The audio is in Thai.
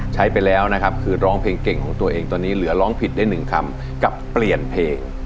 ใช้ไปแล้วนะครับคือร้องเพลงเก่งของตัวเองตอนนี้เหลือร้องผิดได้หนึ่งคำกับเปลี่ยนเพลง